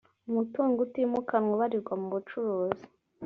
umutungo utimukanwa ubarirwa mu bucuruzi